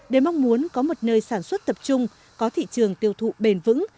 để mong muốn có một nơi sản xuất tập trung có thị trường tiêu thụ bền vững